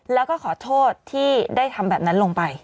แล้วก็ขอโทษที่ได้ทำแบบนั้นลงไป